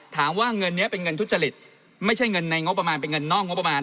ถามว่าเงินนี้เป็นเงินทุจริตไม่ใช่เงินในงบประมาณเป็นเงินนอกงบประมาณ